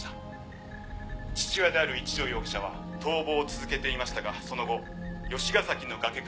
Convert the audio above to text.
「父親である一条容疑者は逃亡を続けていましたがその後吉ヶ崎の崖から飛び降り」